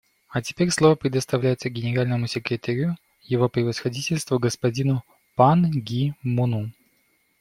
А теперь слово предоставляется Генеральному секретарю Его Превосходительству господину Пан Ги Муну.